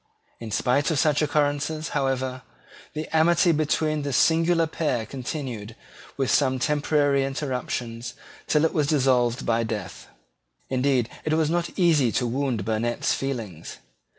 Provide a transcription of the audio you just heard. In spite of such occurrences, however, the amity between this singular pair continued, with some temporary interruptions, till it was dissolved by death. Indeed, it was not easy to wound Burnet's feelings.